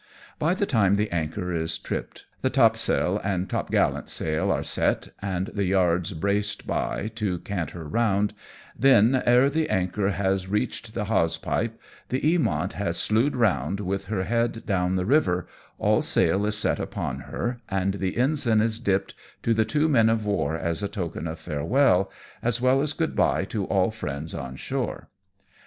By the time the anchor is tripped, the topsail and top gallant sail are set, and the yards braced by to cant her round, then, ere the anchor has reached the hawsepipe, the Eamont has slewed round with her head down the river, all sail is set upon her, and the ensign is dipped to the two men of war as a token of farewell, as well as good bye to all friends on shore.